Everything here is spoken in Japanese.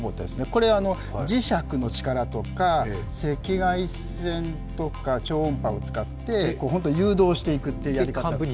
これは磁石の力とか赤外線とか超音波を使って誘導していうというやり方。